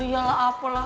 iya lah apalah